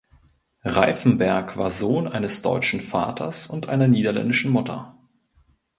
Reifenberg war Sohn eines deutschen Vaters und einer niederländischen Mutter.